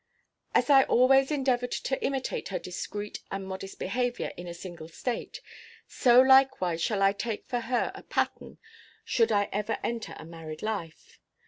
As I always endeavored to imitate her discreet, and modest behavior in a single state, so likewise shall I take her for a pattern should I ever enter a married life.